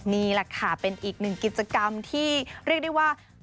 นี่แหละค่ะเป็นอีกหนึ่งกิจกรรมที่เรียกได้ว่า